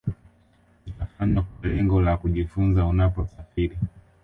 zitafanywa kwa lengo la kujifunza Unaposafiri